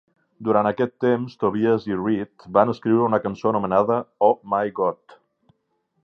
Durant aquest temps Tobias i Reed van escriure una cançó anomenada "Oh My God".